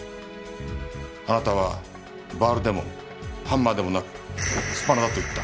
あなたはバールでもハンマーでもなくスパナだと言った。